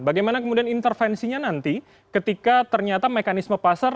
bagaimana kemudian intervensinya nanti ketika ternyata mekanisme pasar